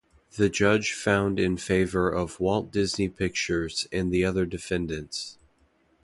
The judge found in favor of Walt Disney Pictures and the other defendants.